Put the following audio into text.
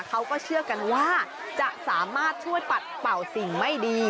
เขาก็เชื่อกันว่าจะสามารถช่วยปัดเป่าสิ่งไม่ดี